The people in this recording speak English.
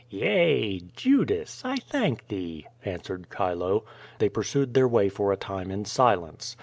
'^ea, Judas, I thank thee," answered Chilo. They pur sued their way for a time in silence.